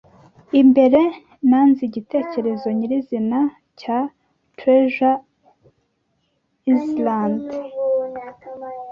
imbere, nanze igitekerezo nyirizina cya Treasure Island.